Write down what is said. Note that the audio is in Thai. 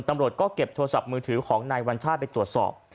ตำรวจก็เก็บโทรศัพท์มือถือของนายวัญชาติไปตรวจสอบ